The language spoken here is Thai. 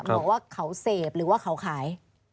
บอกว่าเขาเสพหรือว่าเขาขาย